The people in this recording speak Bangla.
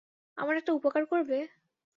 আমার একটা উপকার করবে?